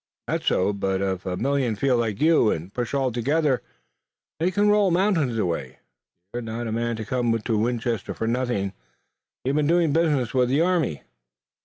"That's so, but if a million feel like you and push all together, they can roll mountains away." "You're not a man to come to Winchester for nothing. You've been doing business with the army?"